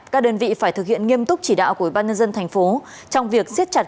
các đơn vị phải thực hiện nghiêm túc chỉ đạo của bnd tp trong việc xiết chặt